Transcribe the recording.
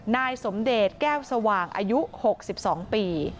นายสมเดชก็แก้วสว่างอศศซิบสองปี